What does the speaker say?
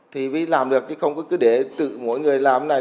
thì làm được chứ không cứ để tự mỗi người làm thế này